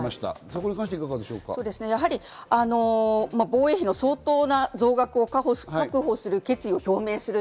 防衛費の相当な増額を確保する決意を表明する。